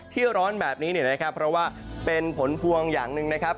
ร้อนแบบนี้เนี่ยนะครับเพราะว่าเป็นผลพวงอย่างหนึ่งนะครับ